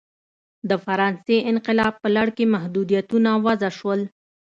د فرانسې انقلاب په لړ کې محدودیتونه وضع شول.